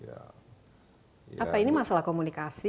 apa ini masalah komunikasi